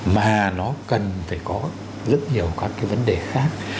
mà nó cần phải có rất nhiều các cái vấn đề khác